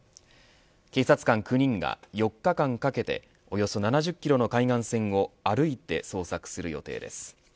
警察官９人が４日間かけておよそ７０キロの海岸線を歩いて捜索する予定です。